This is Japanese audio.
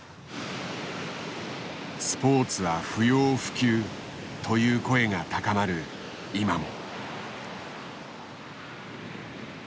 「スポーツは不要不急」という声が高まる今も。